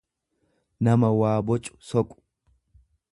nama waa bocu soqu.